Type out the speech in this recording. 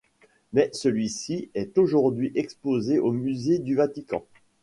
Mais celui-ci est aujourd'hui exposé au musée du Vatican.